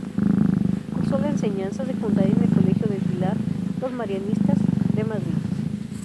Cursó la enseñanza secundaria en el colegio del Pilar, los marianistas, de Madrid.